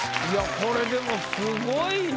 これでもすごいね。